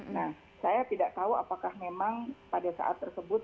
nah saya tidak tahu apakah memang pada saat tersebut